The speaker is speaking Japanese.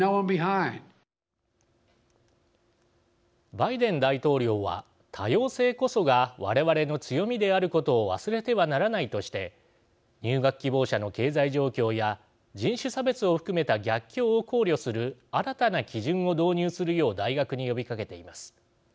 バイデン大統領は多様性こそが我々の強みであることを忘れてはならないとして入学希望者の経済状況や人種差別を含めた逆境を考慮する新たな基準を導入するよう大学に呼びかけています。